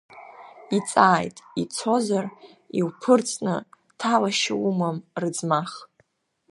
Ицааит, ицозар, иуԥырҵны, ҭалашьа умам рыӡмах.